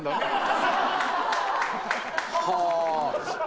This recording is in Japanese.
はあ！